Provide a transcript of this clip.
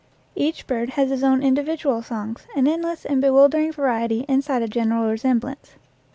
Each bird has his own individual songs, an endless and bewildering variety inside a general resemblance.